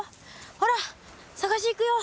ほら探し行くよ。